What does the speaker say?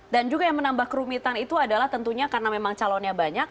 dan juga yang menambah kerumitan itu adalah tentunya karena memang calonnya banyak